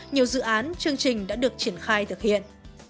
nhiều dự án chương trình đã được triển khai thực hiện